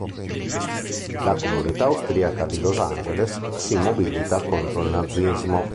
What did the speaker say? La comunità austriaca di Los Angeles si mobilita contro il nazismo.